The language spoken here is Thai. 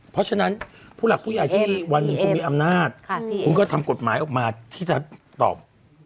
เพราะฉะนั้นผู้หลักผู้ใหญ่ที่วันหนึ่งคุณมีอำนาจคุณก็ทำกฎหมายออกมาที่จะตอบ